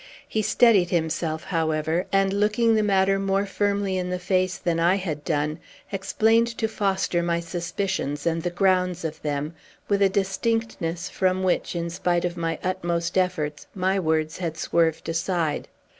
He steadied himself, however, and, looking the matter more firmly in the face than I had done, explained to Foster my suspicions, and the grounds of them, with a distinctness from which, in spite of my utmost efforts, my words had swerved aside.